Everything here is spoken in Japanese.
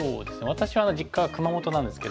私は実家が熊本なんですけども。